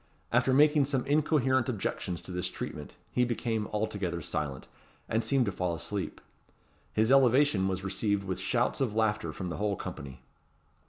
After making some incoherent objections to this treatment, he became altogether silent, and seemed to fall asleep. His elevation was received with shouts of laughter from the whole company.